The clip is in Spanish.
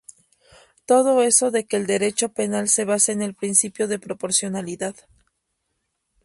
Todo eso de que el derecho penal se basa en el principio de proporcionalidad